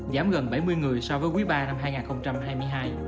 giảm gần bảy mươi người so với quý ba năm hai nghìn hai mươi hai